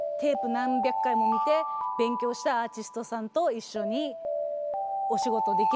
何百回も見て勉強したアーティストさんと一緒にお仕事できるみたいな。